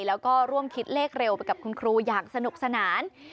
แล้วก็ร่วมคิดเลขเร็วไปกับคุณครูอย่างสนุกสนาน